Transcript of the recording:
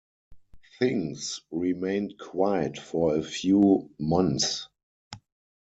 Things remained quiet for a few months.